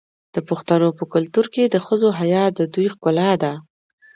د پښتنو په کلتور کې د ښځو حیا د دوی ښکلا ده.